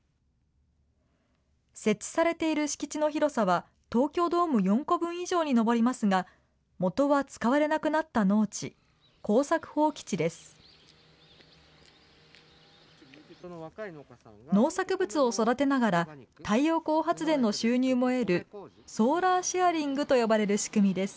設置されている敷地の広さは東京ドーム４個分以上に上りますが、もとは使われなくなった農地・耕作放棄地です。